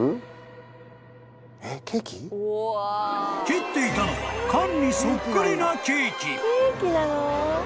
［切っていたのは缶にそっくりな］